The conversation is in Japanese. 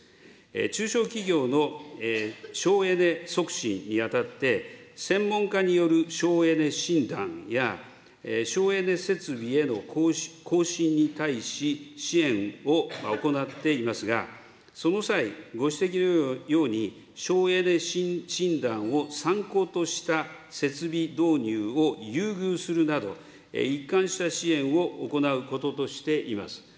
中小企業の省エネ促進にあたって、専門家による省エネ診断や、省エネ設備への更新に対し、支援を行っていますが、その際、ご指摘のように省エネ診断を参考とした設備導入を優遇するなど、一貫した支援を行うこととしています。